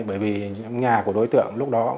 bởi vì nhà của đối tượng lúc đó